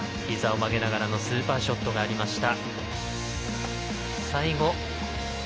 ひざを曲げながらのスーパーショットがありました。